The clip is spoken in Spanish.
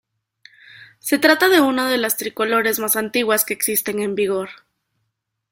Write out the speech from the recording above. Se trata de una de las tricolores más antiguas que existen en vigor.